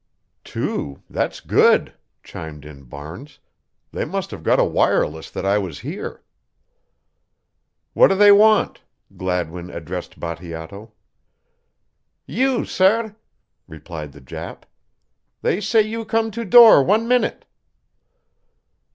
"Two that's good!" chimed in Barnes. "They must have got a wireless that I was here." "What do they want?" Gladwin addressed Bateato. "You, sair," replied the Jap. "They say you come to door one minute."